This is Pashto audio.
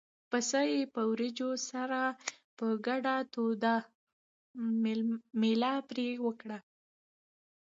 پسه یې په وریجو سره په ګډه توده مېله پرې وکړه.